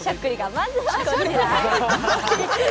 まずはこちら。